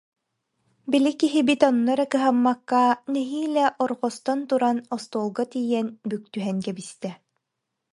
Били киһибит онно эрэ кыһаммакка, нэһиилэ орҕостон туран, остуолга тиийэн бүк түһэн кэбистэ